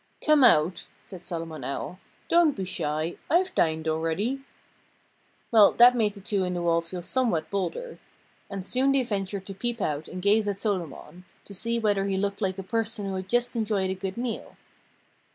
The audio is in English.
"Come out!" said Solomon Owl. "Don't be shy! I've dined already." Well, that made the two in the wall feel somewhat bolder. And soon they ventured to peep out and gaze at Solomon, to see whether he looked like a person who had just enjoyed a good meal.